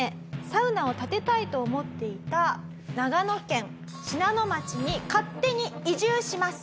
サウナを建てたいと思っていた長野県信濃町に勝手に移住します。